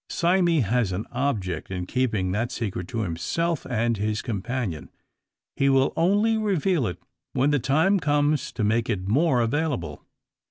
Sime has an object in keeping that secret to himself and his companion; he will only reveal it, when the time comes to make it more available.